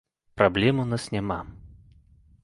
Праблем у нас няма.